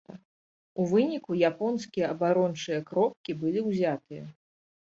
У выніку японскія абарончыя кропкі былі ўзятыя.